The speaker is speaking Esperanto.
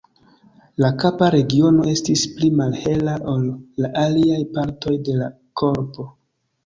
La kapa regiono estas pli malhela ol la aliaj partoj de la korpo.